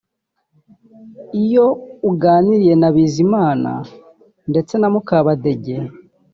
Iyo uganiriye na Bizimana ndetse na Mukabadege